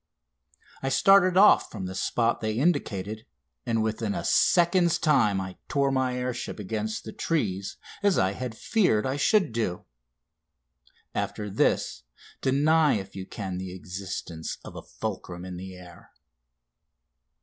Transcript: I started off from the spot they indicated, and within a second's time I tore my air ship against the trees, as I had feared I should do. After this deny if you can the existence of a fulcrum in the air.